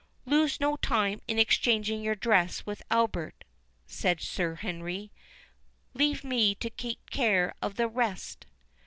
"Lose no time in exchanging your dress with Albert," said Sir Henry—"leave me to take care of the rest."